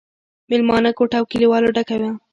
مېلمانه کوټه له کليوالو ډکه وه.